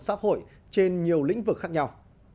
xã hội trên nhiều lĩnh vực khác nhau